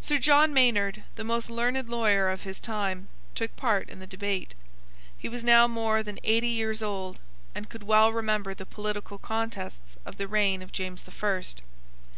Sir John Maynard, the most learned lawyer of his time, took part in the debate. He was now more than eighty years old, and could well remember the political contests of the reign of James the First.